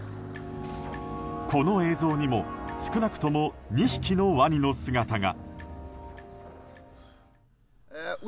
この映像にも少なくとも２匹のワニの姿が。